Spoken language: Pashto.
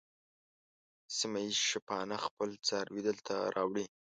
سیمه ییز شپانه خپل څاروي دلته راوړي.